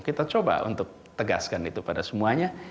kita coba untuk tegaskan itu pada semuanya